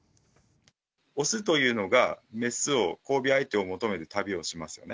雄というのが、雌を、交尾相手を求めて旅をしますよね。